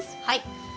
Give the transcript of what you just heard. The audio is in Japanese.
はい。